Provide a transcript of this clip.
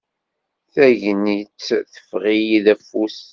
Tagnit teffeɣ-iyi afus.